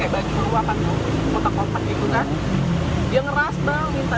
terus akhirnya ngomong dikas gak bu